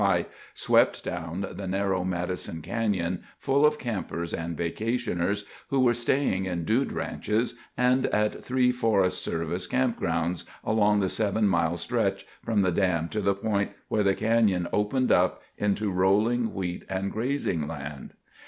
high—swept down the narrow Madison Canyon, full of campers and vacationers who were staying in dude ranches and at three Forest Service campgrounds along the seven mile stretch from the dam to the point where the canyon opened up into rolling wheat and grazing land.